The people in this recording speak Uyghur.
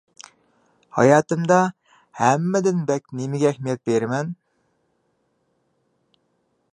ھاياتىمدا ھەممىدىن بەك نېمىگە ئەھمىيەت بېرىمەن؟